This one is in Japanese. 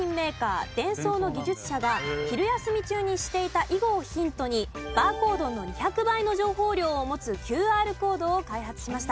デンソーの技術者が昼休み中にしていた囲碁をヒントにバーコードの２００倍の情報量を持つＱＲコードを開発しました。